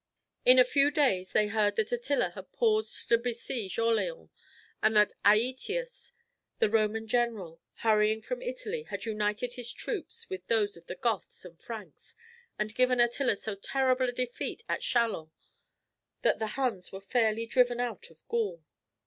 In a few days they heard that Attila had paused to besiege Orleans, and that Aëtius, the Roman general, hurrying from Italy, had united his troops with those of the Goths and Franks, and given Attila so terrible a defeat at Châlons that the Huns were fairly driven out of Gaul.